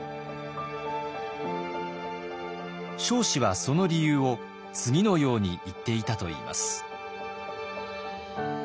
彰子はその理由を次のように言っていたといいます。